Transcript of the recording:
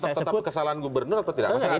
itu tetap kesalahan gubernur atau tidak